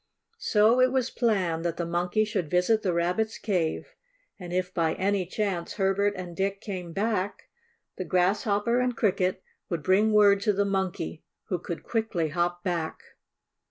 So it was planned that the Monkey should visit the Rabbit's cave, and if by any chance, Herbert and Dick came back, the Grasshopper and Cricket would bring word to the Monkey, who could quickly hop back.